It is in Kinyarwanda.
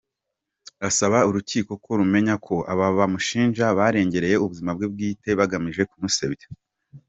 Asaba Urukiko ko rumenya ko aba bamushinja barengereye ubuzima bwe bwite bagamije kumusebya.